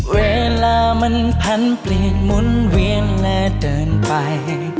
เวลามันพันเปลี่ยนหมุนเวียงและเกินไป